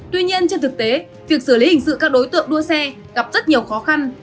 tuy nhiên trên thực tế việc xử lý hình sự các đối tượng đua xe gặp rất nhiều khó khăn